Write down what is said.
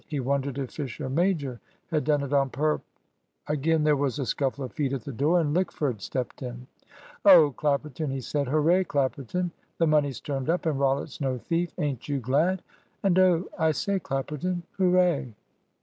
He wondered if Fisher major had done it on purp Again there was a scuffle of feet at the door, and Lickford stepped in. "Oh! Clapperton," he said. "Hooray, Clapperton! The money's turned up, and Rollitt's no thief. Ain't you glad? and, oh, I say, Clapperton hooray!"